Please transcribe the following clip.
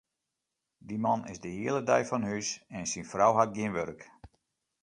Dy man is de hiele dei fan hús en syn frou hat gjin wurk.